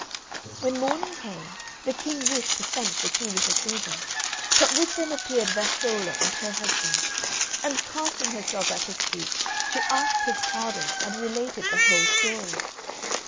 When morning came, the King wished to thank the two little children, but with them appeared Vastolla and her husband; and casting herself at his feet she asked his pardon and related the whole story.